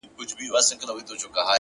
اخلاص د اړیکو بنسټ نه لړزوي!